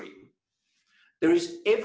jika anda merasa menangis di layar